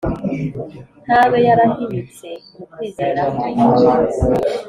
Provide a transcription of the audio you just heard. ntabe yarahinyutse mu kwizera kwe!